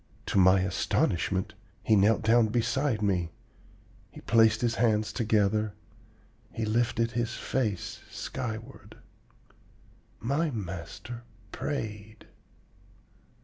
To my astonishment he knelt down beside me, he placed his hands together, he lifted his face skyward. My master prayed!